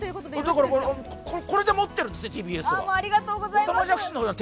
だからこれでもってるんですね、ＴＢＳは。